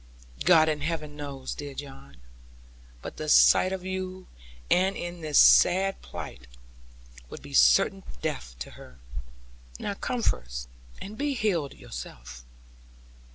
'God in heaven knows, dear John. But the sight of you, and in this sad plight, would be certain death to her. Now come first, and be healed yourself.'